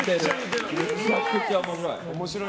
めちゃくちゃ面白い。